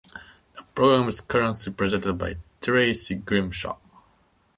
The program is currently presented by Tracy Grimshaw.